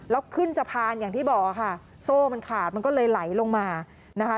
แล้วขึ้นสะพานอย่างที่บอกค่ะโซ่มันขาดมันก็เลยไหลลงมานะคะ